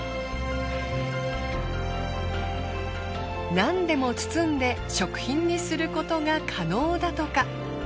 なんでも包んで食品にすることが可能だとか。